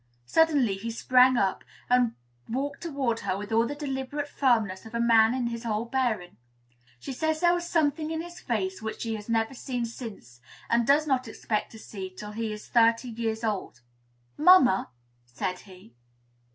Suddenly he sprang up, and walked toward her with all the deliberate firmness of a man in his whole bearing. She says there was something in his face which she has never seen since, and does not expect to see till he is thirty years old. "Mamma!" said he.